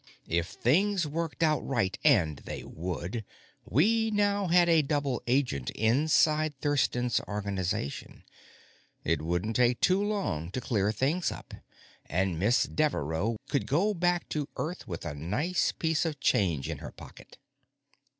If things worked out right and they would we now had a double agent inside Thurston's organization. It wouldn't take too long to clear things up, and Miss Devereaux could go back to Earth with a nice piece of change in her pocket.